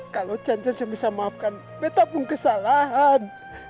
kalau can can semisal maafkan betta pung kesalahan